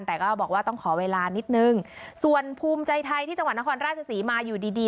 แต่ก็บอกว่าต้องขอเวลานิดนึงส่วนภูมิใจไทยที่จังหวัดนครราชศรีมาอยู่ดีดี